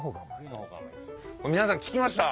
皆さん聞きました？